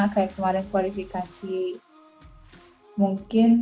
kayak kemarin kualifikasi mungkin